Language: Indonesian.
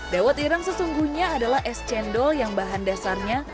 dawet irang sesungguhnya adalah es cendol yang bahan dasarnya